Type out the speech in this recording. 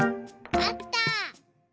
あった。